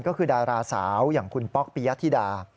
ก็คือดาราสาวอย่างคุณป๊อกปียะธิดา